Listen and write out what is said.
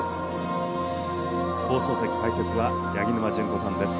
放送席解説は八木沼純子さんです。